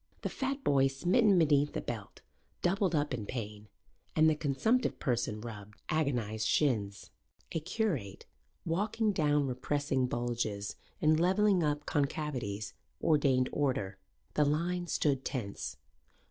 The fat boy, smitten beneath the belt, doubled up in pain and the consumptive person rubbed agonized shins. A curate, walking down repressing bulges and levelling up concavities, ordained order. The line stood tense.